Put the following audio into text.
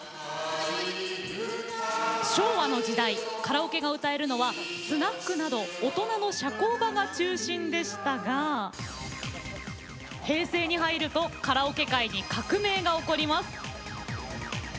昭和の時代カラオケが歌えるのはスナックなど大人の社交場が中心でしたが平成に入るとカラオケ界に革命が起こります。